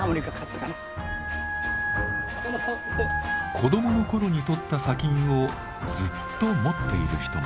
子どもの頃に採った砂金をずっと持っている人も。